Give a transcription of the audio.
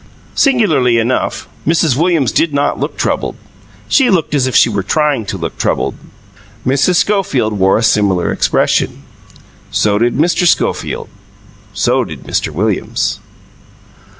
Singularly enough, Mrs. Williams did not look troubled; she looked as if she were trying to look troubled. Mrs. Schofield wore a similar expression. So did Mr. Schofield. So did Mr. Williams.